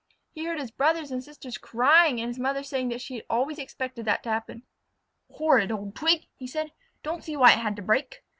He heard his brother and sisters crying and his mother saying that she had always expected that to happen. "Horrid old twig!" he said. "Don't see why it had to break!